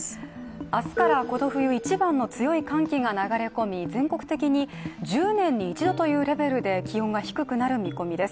明日からこの冬一番の強い寒気が流れ込み、全国的に１０年に一度というレベルで気温が低くなる見込みです。